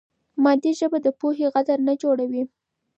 مادي ژبه د پوهې غدر نه جوړوي.